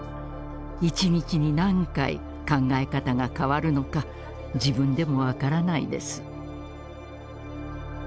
一日に何回考え方が変わるのか自分でも分からないです。